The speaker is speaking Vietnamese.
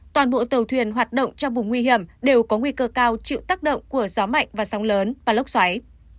toàn bộ tàu thuyền hoạt động trong vùng nguy hiểm đều có nguy cơ cao chịu tác động của gió mạnh và sóng lớn và lốc xoáy